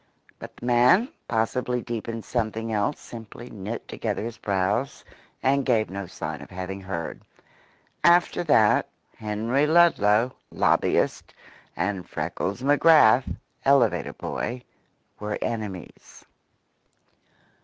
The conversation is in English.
But the man, possibly deep in something else, simply knit together his brows and gave no sign of having heard. After that, Henry Ludlow, lobbyist, and Freckles McGrath, elevator boy, were enemies.